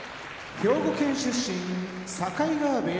熊本県出身境川部屋